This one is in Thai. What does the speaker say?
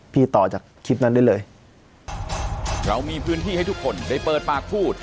ต่อจากคลิปนั้นได้เลยเรามีพื้นที่ให้ทุกคนได้เปิดปากพูด